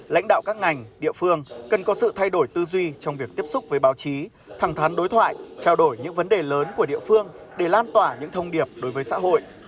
lãnh đạo các ngành địa phương cần có sự thay đổi tư duy trong việc tiếp xúc với báo chí thẳng thắn đối thoại trao đổi những vấn đề lớn của địa phương để lan tỏa những thông điệp đối với xã hội